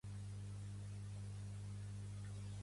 Withers va néixer a Bunbury, a Austràlia Occidental.